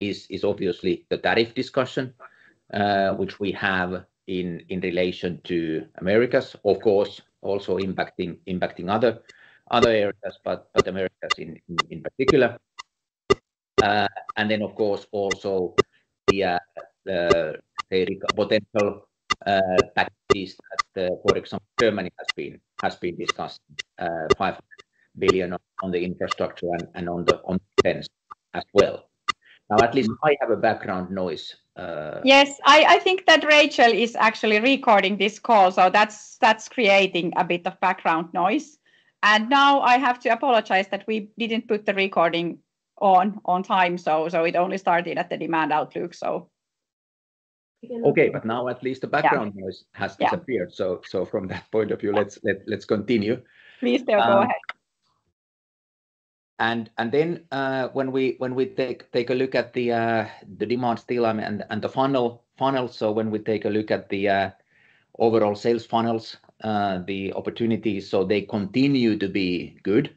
Is obviously the tariff discussion, which we have in relation to Americas, of course, also impacting other areas, but Americas in particular. Of course, also the potential packages that, for example, Germany has been discussing, $5 billion on the infrastructure and on the defense as well. Now, at least I have a background noise. Yes, I think that Rachel is actually recording this call, so that's creating a bit of background noise. I have to apologize that we didn't put the recording on time, so it only started at the demand outlook. Okay, but now at least the background noise has disappeared, so from that point of view, let's continue. Please, Teo, go ahead. When we take a look at the demand still and the funnel, when we take a look at the overall sales funnels, the opportunities, they continue to be good.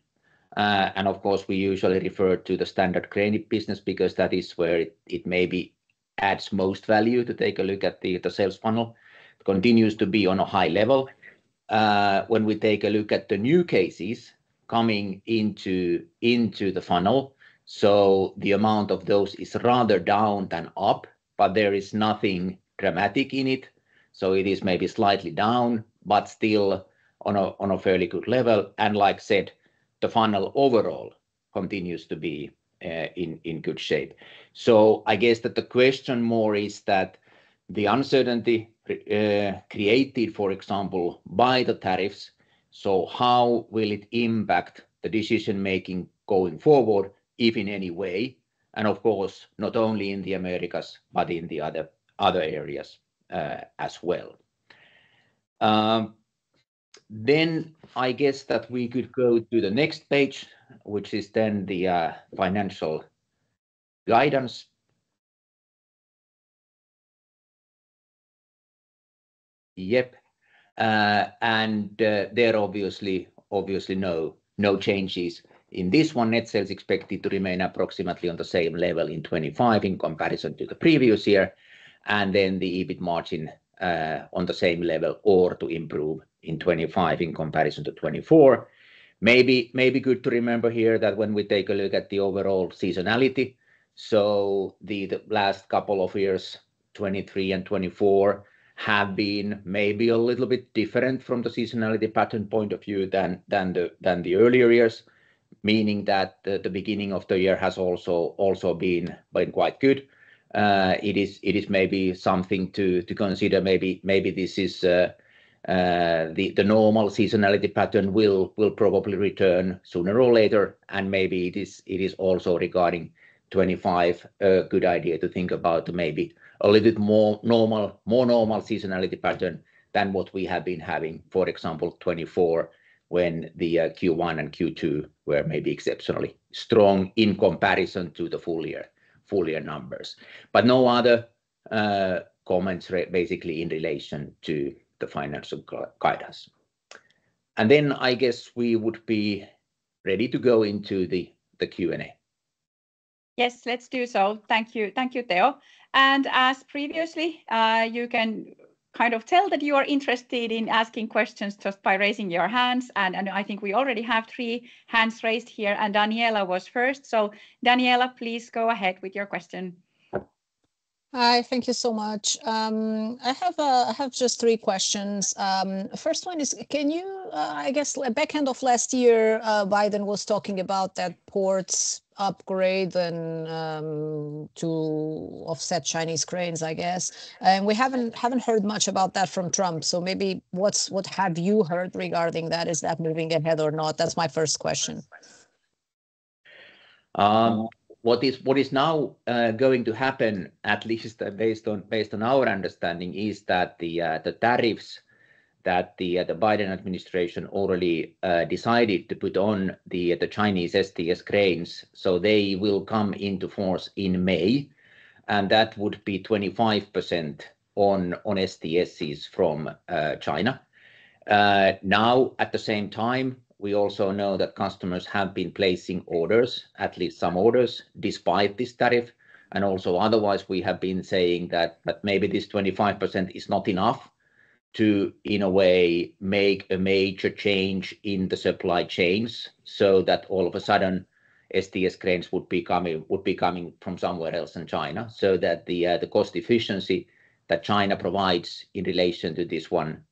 Of course, we usually refer to the standard credit business because that is where it maybe adds most value to take a look at the sales funnel. It continues to be on a high level. When we take a look at the new cases coming into the funnel, the amount of those is rather down than up, but there is nothing dramatic in it, so it is maybe slightly down, but still on a fairly good level. Like I said, the funnel overall continues to be in good shape. I guess that the question more is that the uncertainty created, for example, by the tariffs, how will it impact the decision-making going forward, if in any way, and of course, not only in the Americas, but in the other areas as well. I guess that we could go to the next page, which is the financial guidance. Yep. There are obviously no changes in this one. Net sales are expected to remain approximately on the same level in 2025 in comparison to the previous year. The EBIT margin is on the same level or to improve in 2025 in comparison to 2024. Maybe good to remember here that when we take a look at the overall seasonality, the last couple of years, 2023 and 2024, have been maybe a little bit different from the seasonality pattern point of view than the earlier years, meaning that the beginning of the year has also been quite good. It is maybe something to consider. Maybe this is the normal seasonality pattern will probably return sooner or later, and maybe it is also regarding 2025 a good idea to think about maybe a little bit more normal seasonality pattern than what we have been having, for example, 2024 when the Q1 and Q2 were maybe exceptionally strong in comparison to the full year numbers. No other comments basically in relation to the financial guidance. I guess we would be ready to go into the Q&A. Yes, let's do so. Thank you, Teo. As previously, you can kind of tell that you are interested in asking questions just by raising your hands. I think we already have three hands raised here, and Daniela was first. Daniela, please go ahead with your question. Hi, thank you so much. I have just three questions. First one is, can you, I guess, back end of last year, Biden was talking about that ports upgrade to offset Chinese cranes, I guess. We have not heard much about that from Trump. Maybe what have you heard regarding that? Is that moving ahead or not? That is my first question. What is now going to happen, at least based on our understanding, is that the tariffs that the Biden administration already decided to put on the Chinese STS cranes, so they will come into force in May, and that would be 25% on STSs from China. At the same time, we also know that customers have been placing orders, at least some orders, despite this tariff. Also, otherwise, we have been saying that maybe this 25% is not enough to, in a way, make a major change in the supply chains so that all of a sudden STS cranes would be coming from somewhere else than China so that the cost efficiency that China provides in relation to this one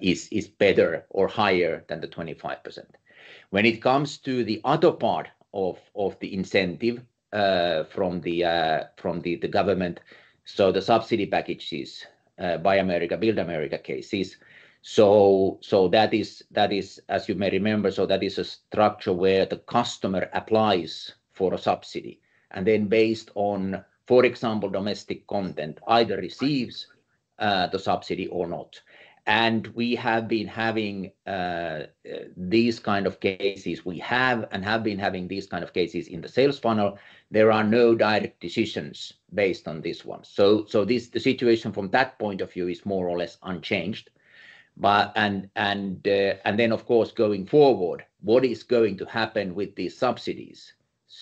is better or higher than the 25%. When it comes to the other part of the incentive from the government, so the subsidy packages by Build America cases, that is, as you may remember, a structure where the customer applies for a subsidy. Then based on, for example, domestic content, either receives the subsidy or not. We have been having these kind of cases. We have been having these kind of cases in the sales funnel. There are no direct decisions based on this one. The situation from that point of view is more or less unchanged. Of course, going forward, what is going to happen with these subsidies?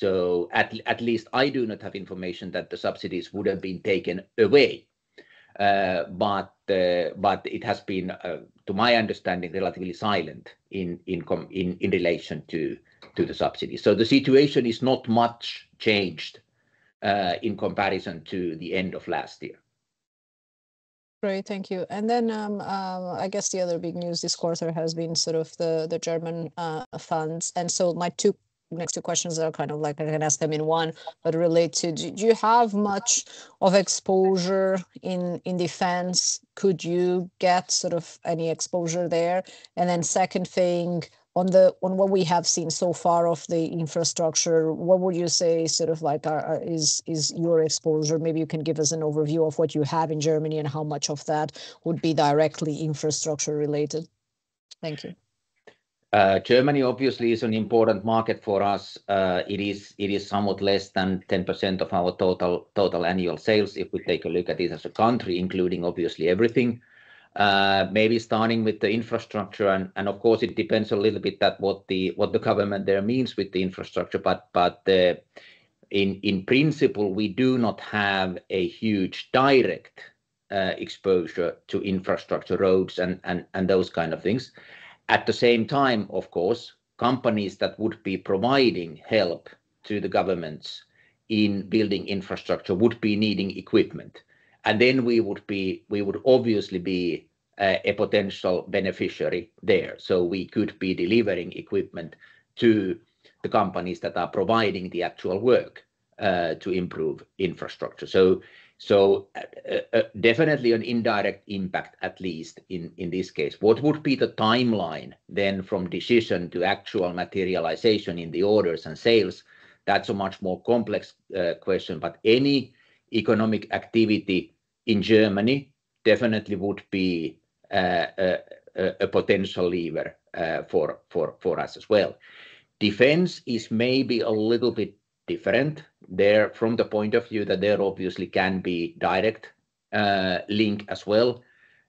At least I do not have information that the subsidies would have been taken away, but it has been, to my understanding, relatively silent in relation to the subsidies. The situation is not much changed in comparison to the end of last year. Great, thank you. I guess the other big news this quarter has been sort of the German funds. My next two questions are kind of like I can ask them in one, but relate to, do you have much of exposure in defense? Could you get sort of any exposure there? The second thing, on what we have seen so far of the infrastructure, what would you say sort of like is your exposure? Maybe you can give us an overview of what you have in Germany and how much of that would be directly infrastructure related. Thank you. Germany obviously is an important market for us. It is somewhat less than 10% of our total annual sales if we take a look at it as a country, including obviously everything. Maybe starting with the infrastructure. Of course, it depends a little bit what the government there means with the infrastructure, but in principle, we do not have a huge direct exposure to infrastructure, roads, and those kind of things. At the same time, companies that would be providing help to the governments in building infrastructure would be needing equipment. We would obviously be a potential beneficiary there. We could be delivering equipment to the companies that are providing the actual work to improve infrastructure. Definitely an indirect impact, at least in this case. What would be the timeline then from decision to actual materialization in the orders and sales? That's a much more complex question, but any economic activity in Germany definitely would be a potential lever for us as well. Defense is maybe a little bit different there from the point of view that there obviously can be direct link as well.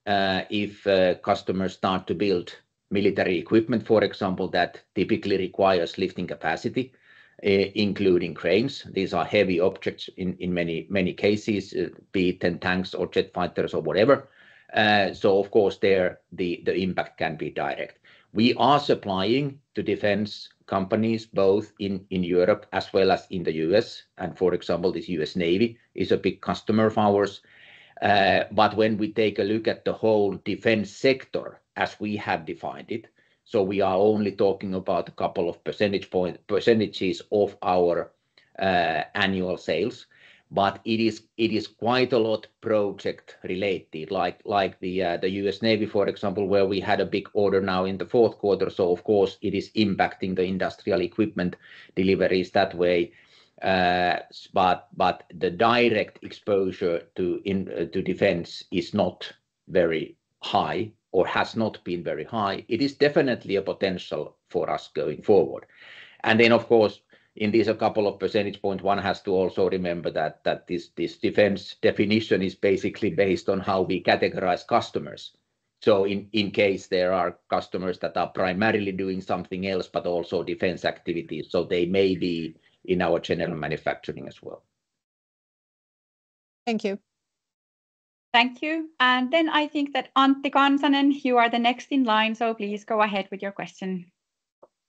If customers start to build military equipment, for example, that typically requires lifting capacity, including cranes, these are heavy objects in many cases, be it tanks or jet fighters or whatever. Of course, the impact can be direct. We are supplying to defense companies both in Europe as well as in the U.S. For example, the U.S. Navy is a big customer of ours. When we take a look at the whole defense sector as we have defined it, we are only talking about a couple of % of our annual sales, but it is quite a lot project related, like the U.S. Navy, for example, where we had a big order now in the fourth quarter. Of course, it is impacting the industrial equipment deliveries that way. The direct exposure to defense is not very high or has not been very high. It is definitely a potential for us going forward. In these couple of percentage points, one has to also remember that this defense definition is basically based on how we categorize customers. In case there are customers that are primarily doing something else, but also defense activities, they may be in our general manufacturing as well. Thank you. Thank you. I think that Antti Kansanen, you are the next in line, so please go ahead with your question.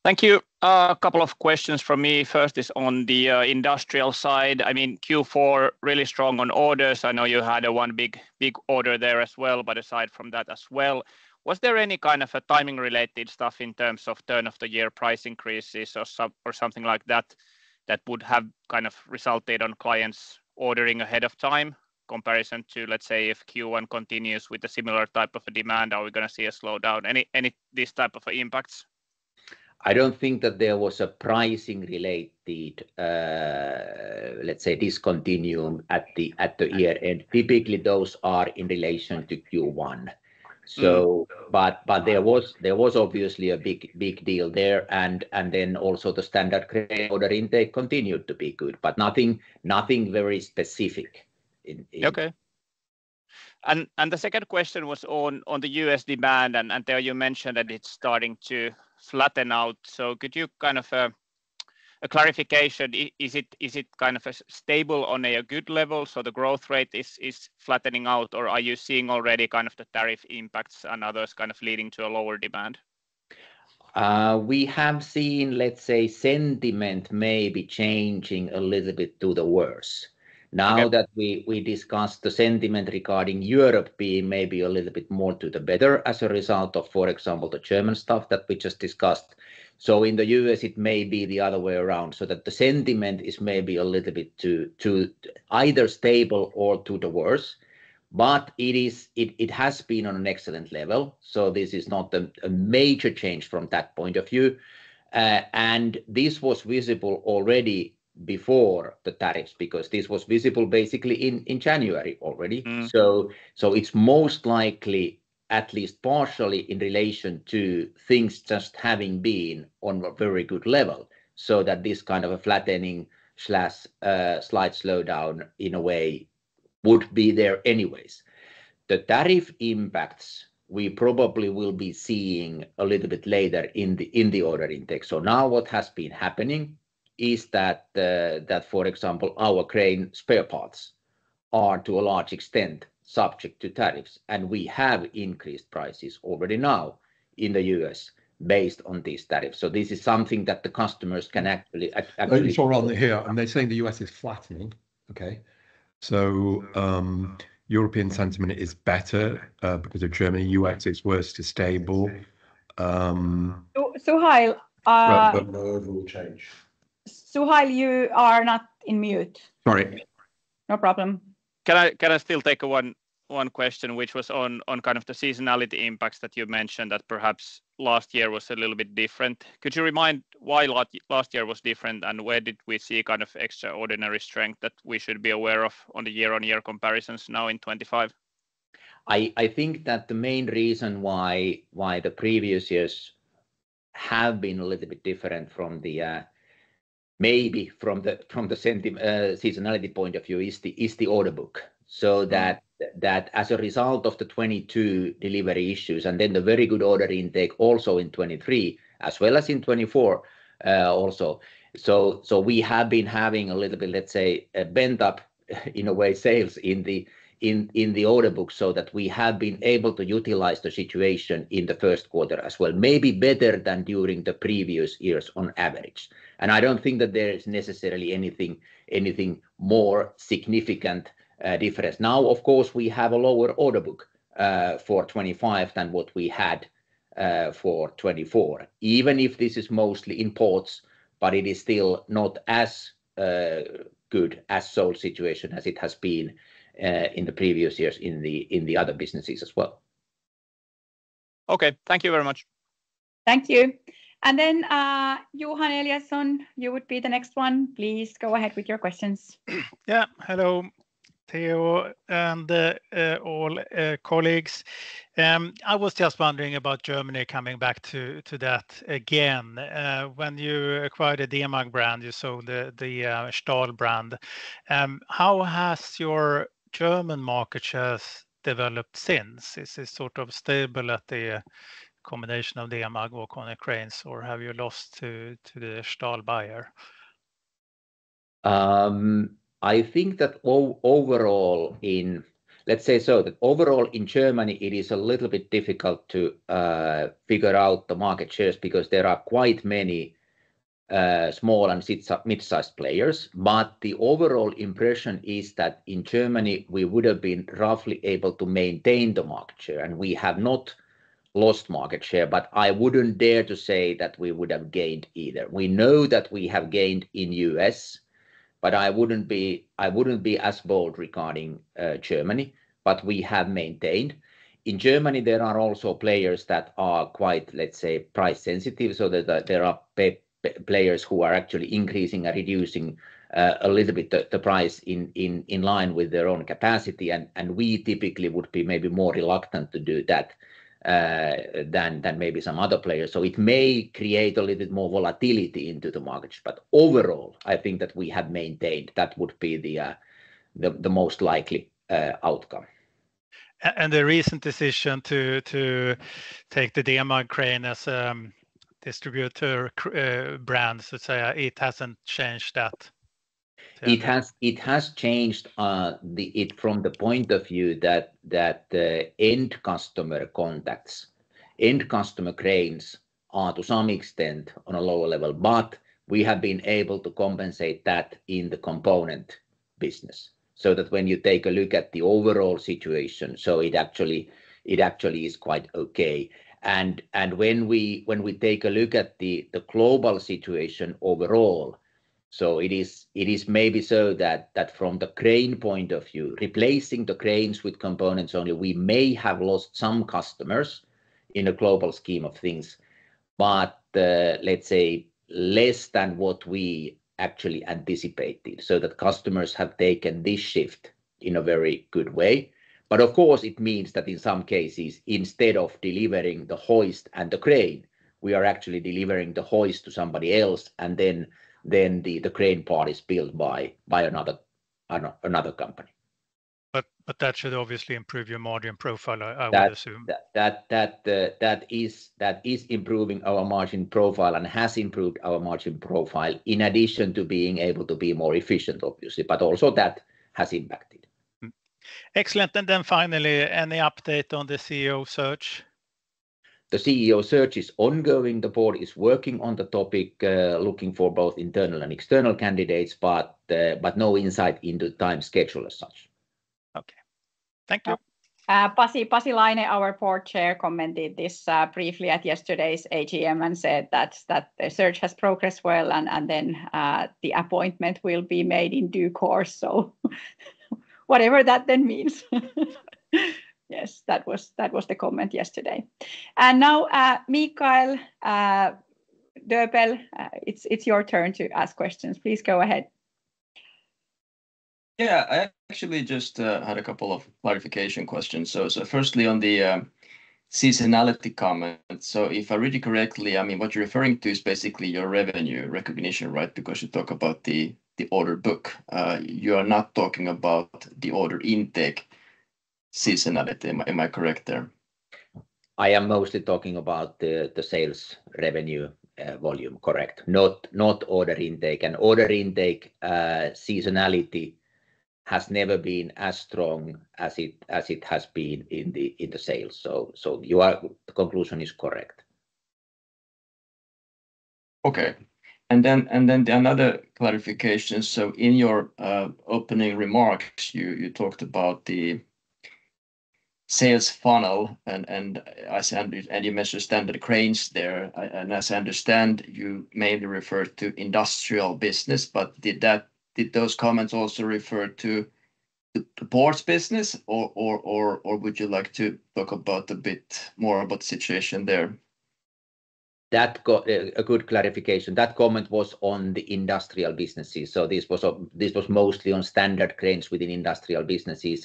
Thank you. A couple of questions for me. First is on the industrial side. I mean, Q4 really strong on orders. I know you had one big order there as well, but aside from that as well, was there any kind of timing-related stuff in terms of turn-of-the-year price increases or something like that that would have kind of resulted in clients ordering ahead of time comparison to, let's say, if Q1 continues with a similar type of demand, are we going to see a slowdown? Any of these type of impacts? I don't think that there was a pricing-related, let's say, discontinuum at the year end. Typically, those are in relation to Q1. There was obviously a big deal there. Also, the standard credit order intake continued to be good, but nothing very specific. Okay. The second question was on the U.S. demand, and there you mentioned that it's starting to flatten out. Could you give a clarification? Is it kind of stable on a good level, so the growth rate is flattening out, or are you seeing already the tariff impacts and others leading to a lower demand? We have seen, let's say, sentiment maybe changing a little bit to the worse. Now that we discussed the sentiment regarding Europe being maybe a little bit more to the better as a result of, for example, the German stuff that we just discussed. In the U.S., it may be the other way around, so that the sentiment is maybe a little bit to either stable or to the worse. It has been on an excellent level, so this is not a major change from that point of view. This was visible already before the tariffs because this was visible basically in January already. It is most likely, at least partially, in relation to things just having been on a very good level, so that this kind of a flattening/slide slowdown in a way would be there anyways. The tariff impacts we probably will be seeing a little bit later in the order intake. Now what has been happening is that, for example, our crane spare parts are to a large extent subject to tariffs, and we have increased prices already now in the U.S. based on these tariffs. This is something that the customers can actually. I just want to run here. I'm saying the U.S. is flattening. Okay. European sentiment is better because of Germany. U.S. is worse to stable. So Gael. Rather than an overall change. Gael, you are not on mute. Sorry. No problem. Can I still take one question which was on kind of the seasonality impacts that you mentioned that perhaps last year was a little bit different? Could you remind why last year was different and where did we see kind of extraordinary strength that we should be aware of on the year-on-year comparisons now in 2025? I think that the main reason why the previous years have been a little bit different maybe from the seasonality point of view is the order book. That as a result of the 2022 delivery issues and then the very good order intake also in 2023 as well as in 2024 also, we have been having a little bit, let's say, a bent-up in a way sales in the order book so that we have been able to utilize the situation in the first quarter as well. Maybe better than during the previous years on average. I don't think that there is necessarily anything more significant difference. Now, of course, we have a lower order book for 2025 than what we had for 2024, even if this is mostly in ports, but it is still not as good a sole situation as it has been in the previous years in the other businesses as well. Okay. Thank you very much. Thank you. Johan Eliasson, you would be the next one. Please go ahead with your questions. Yeah. Hello, Teo and all colleagues. I was just wondering about Germany, coming back to that again. When you acquired the Demag brand, you sold the Stahl brand. How has your German market shares developed since? Is it sort of stable at the combination of Demag work on your cranes, or have you lost to the Stahl buyer? I think that overall in, let's say, that overall in Germany, it is a little bit difficult to figure out the market shares because there are quite many small and mid-sized players. The overall impression is that in Germany, we would have been roughly able to maintain the market share, and we have not lost market share, but I would not dare to say that we would have gained either. We know that we have gained in the U.S., but I would not be as bold regarding Germany, but we have maintained. In Germany, there are also players that are quite, let's say, price sensitive, so there are players who are actually increasing and reducing a little bit the price in line with their own capacity. We typically would be maybe more reluctant to do that than maybe some other players. It may create a little bit more volatility into the market. Overall, I think that we have maintained. That would be the most likely outcome. The recent decision to take the Demag crane as a distributor brand, so to say, it hasn't changed that? It has changed it from the point of view that the end customer contacts, end customer cranes are to some extent on a lower level, but we have been able to compensate that in the component business. When you take a look at the overall situation, it actually is quite okay. When we take a look at the global situation overall, it is maybe so that from the crane point of view, replacing the cranes with components only, we may have lost some customers in a global scheme of things, but let's say less than what we actually anticipated. Customers have taken this shift in a very good way. Of course, it means that in some cases, instead of delivering the hoist and the crane, we are actually delivering the hoist to somebody else, and then the crane part is built by another company. That should obviously improve your margin profile, I would assume. That is improving our margin profile and has improved our margin profile in addition to being able to be more efficient, obviously, but also that has impacted. Excellent. Finally, any update on the CEO search? The CEO search is ongoing. The board is working on the topic, looking for both internal and external candidates, but no insight into time schedule as such. Okay. Thank you. Pasi Laine, our Board Chair, commented this briefly at yesterday's AGM and said that the search has progressed well, and the appointment will be made in due course, so whatever that then means. Yes, that was the comment yesterday. Now, Mikael Döbel, it's your turn to ask questions. Please go ahead. Yeah, I actually just had a couple of clarification questions. Firstly, on the seasonality comment, if I read you correctly, I mean, what you're referring to is basically your revenue recognition, right? Because you talk about the order book. You are not talking about the order intake seasonality. Am I correct there? I am mostly talking about the sales revenue volume, correct. Not order intake. Order intake seasonality has never been as strong as it has been in the sales. The conclusion is correct. Okay. Another clarification. In your opening remarks, you talked about the sales funnel, and you mentioned standard cranes there. As I understand, you mainly referred to industrial business, but did those comments also refer to the ports business, or would you like to talk a bit more about the situation there? That's a good clarification. That comment was on the industrial businesses. This was mostly on standard cranes within industrial businesses,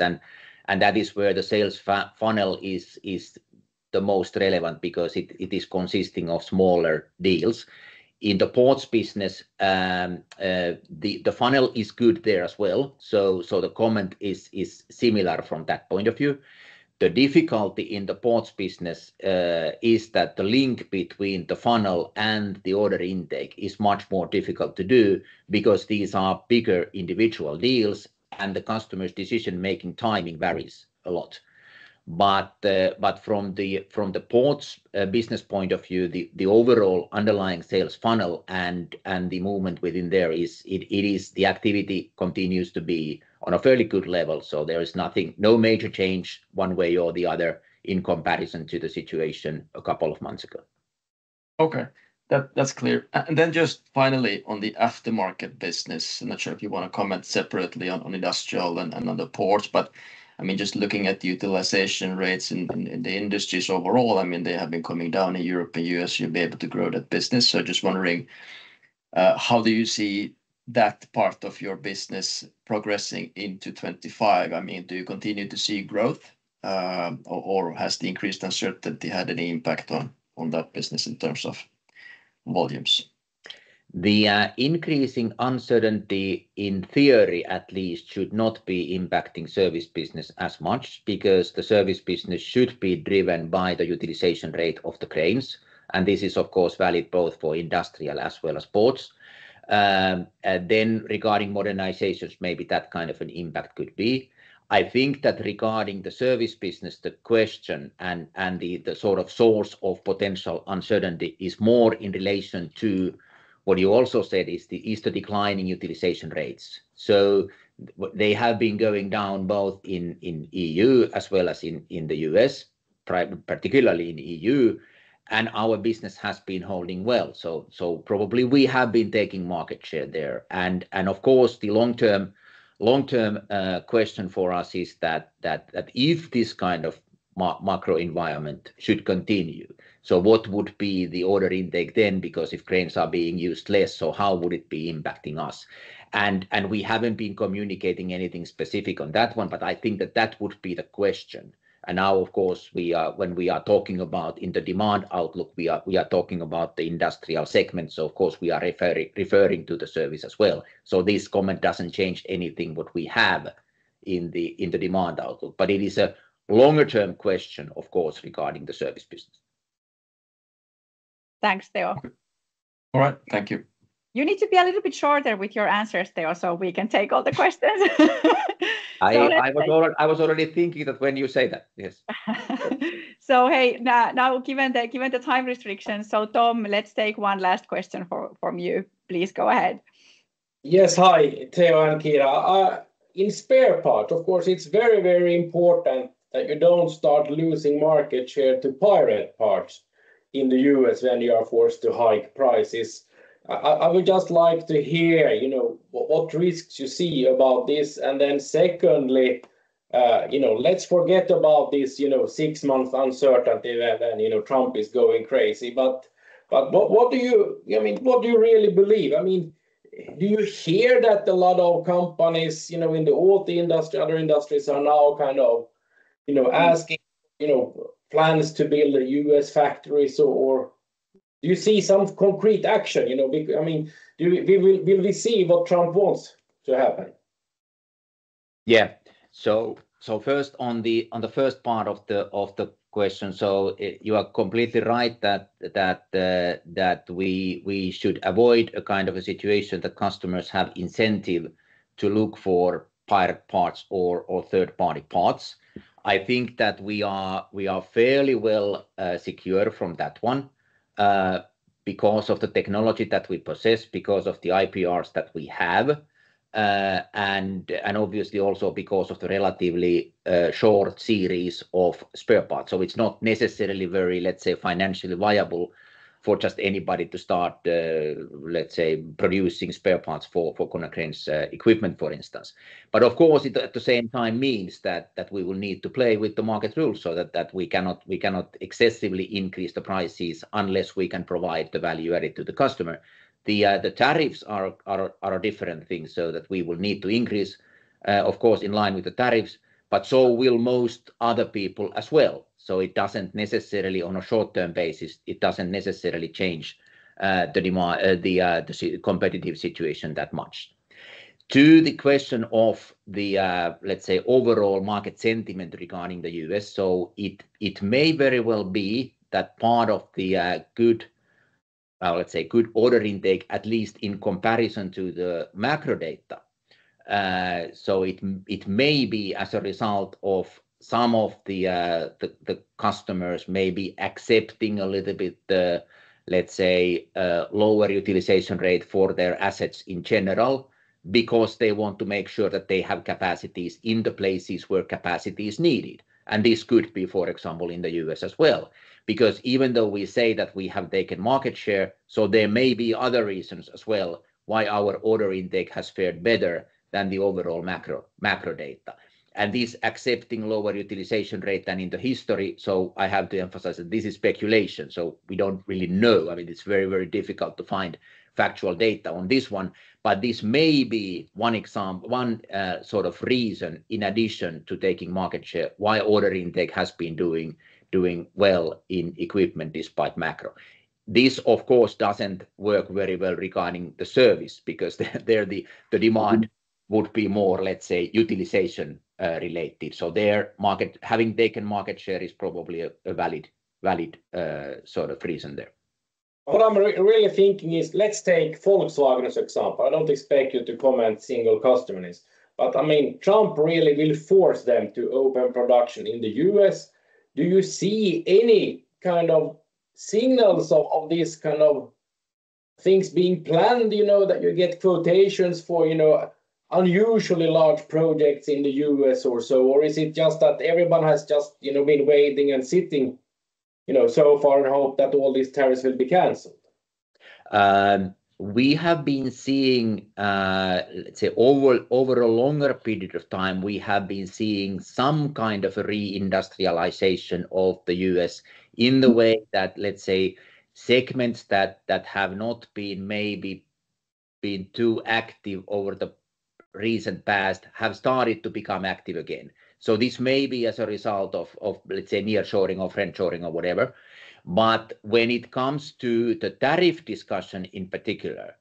and that is where the sales funnel is the most relevant because it is consisting of smaller deals. In the ports business, the funnel is good there as well. The comment is similar from that point of view. The difficulty in the ports business is that the link between the funnel and the order intake is much more difficult to do because these are bigger individual deals, and the customer's decision-making timing varies a lot. From the ports business point of view, the overall underlying sales funnel and the movement within there is the activity continues to be on a fairly good level. There is no major change one way or the other in comparison to the situation a couple of months ago. Okay. That's clear. Then just finally on the aftermarket business, I'm not sure if you want to comment separately on industrial and on the ports, but I mean, just looking at utilization rates in the industries overall, I mean, they have been coming down in Europe and U.S., you'll be able to grow that business. Just wondering, how do you see that part of your business progressing into 2025? I mean, do you continue to see growth, or has the increased uncertainty had any impact on that business in terms of volumes? The increasing uncertainty in theory, at least, should not be impacting service business as much because the service business should be driven by the utilization rate of the cranes. This is, of course, valid both for industrial as well as ports. Regarding modernizations, maybe that kind of an impact could be. I think that regarding the service business, the question and the sort of source of potential uncertainty is more in relation to what you also said is the declining utilization rates. They have been going down both in EU as well as in the U.S., particularly in EU, and our business has been holding well. Probably we have been taking market share there. The long-term question for us is that if this kind of macro environment should continue, what would be the order intake then? Because if cranes are being used less, how would it be impacting us? We haven't been communicating anything specific on that one, but I think that would be the question. Now, of course, when we are talking about the demand outlook, we are talking about the industrial segment. Of course, we are referring to the service as well. This comment doesn't change anything we have in the demand outlook, but it is a longer-term question, of course, regarding the service business. Thanks, Teo. All right. Thank you. You need to be a little bit shorter with your answers, Teo, so we can take all the questions. I was already thinking that when you say that, yes. Now given the time restrictions, Tom, let's take one last question from you. Please go ahead. Yes, hi, Teo and Kiira. In spare parts, of course, it's very, very important that you don't start losing market share to pirate parts in the U.S. when you are forced to hike prices. I would just like to hear what risks you see about this. Secondly, let's forget about this six-month uncertainty when Trump is going crazy. What do you really believe? I mean, do you hear that a lot of companies in the auto industry, other industries are now kind of asking plans to build the U.S. factories? Or do you see some concrete action? I mean, will we see what Trump wants to happen? Yeah. On the first part of the question, you are completely right that we should avoid a kind of a situation that customers have incentive to look for pirate parts or third-party parts. I think that we are fairly well secured from that one because of the technology that we possess, because of the IPRs that we have, and obviously also because of the relatively short series of spare parts. It is not necessarily very, let's say, financially viable for just anybody to start, let's say, producing spare parts for Konecranes equipment, for instance. Of course, at the same time, it means that we will need to play with the market rules so that we cannot excessively increase the prices unless we can provide the value added to the customer. The tariffs are a different thing so that we will need to increase, of course, in line with the tariffs, but so will most other people as well. It does not necessarily on a short-term basis, it does not necessarily change the competitive situation that much. To the question of the, let's say, overall market sentiment regarding the U.S., it may very well be that part of the good, let's say, good order intake, at least in comparison to the macro data. It may be as a result of some of the customers maybe accepting a little bit, let's say, lower utilization rate for their assets in general because they want to make sure that they have capacities in the places where capacity is needed. This could be, for example, in the U.S. as well. Because even though we say that we have taken market share, there may be other reasons as well why our order intake has fared better than the overall macro data. This accepting lower utilization rate than in the history, I have to emphasize that this is speculation. We do not really know. I mean, it is very, very difficult to find factual data on this one, but this may be one sort of reason in addition to taking market share why order intake has been doing well in equipment despite macro. This, of course, does not work very well regarding the service because the demand would be more, let's say, utilization related. Having taken market share is probably a valid sort of reason there. What I'm really thinking is let's take Volkswagen as an example. I don't expect you to comment single customers. I mean, Trump really will force them to open production in the U.S. Do you see any kind of signals of these kind of things being planned? You know that you get quotations for unusually large projects in the U.S. or so, or is it just that everyone has just been waiting and sitting so far and hope that all these tariffs will be canceled? We have been seeing, let's say, over a longer period of time, we have been seeing some kind of re-industrialization of the U.S. in the way that, let's say, segments that have not been maybe too active over the recent past have started to become active again. This may be as a result of, let's say, nearshoring or friendshoring or whatever. When it comes to the tariff discussion in particular,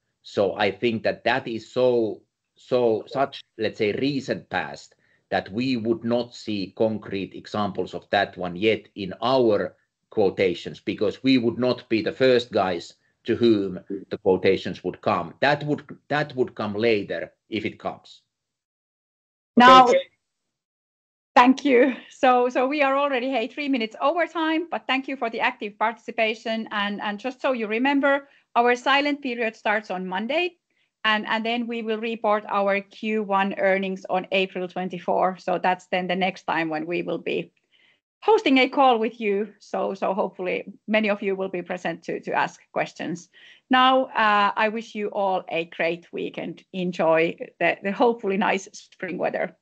I think that that is such, let's say, recent past that we would not see concrete examples of that one yet in our quotations because we would not be the first guys to whom the quotations would come. That would come later if it comes. Thank you. We are already, hey, three minutes over time, but thank you for the active participation. Just so you remember, our silent period starts on Monday, and we will report our Q1 earnings on April 24. That is the next time when we will be hosting a call with you. Hopefully, many of you will be present to ask questions. I wish you all a great weekend. Enjoy the hopefully nice spring weather.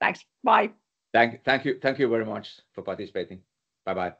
Thanks. Bye. Thank you very much for participating. Bye-bye.